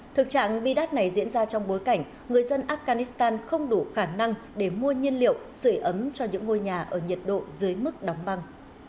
thực trạng bi đắt này diễn ra trong bối cảnh người dân afghanistan không đủ khả năng để mua nhiên liệu sửa ấm cho những ngôi nhà ở nhiệt độ dưới mức đóng băng